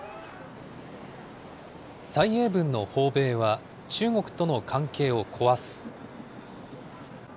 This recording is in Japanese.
蔡英文の訪米は中国との関係を壊す。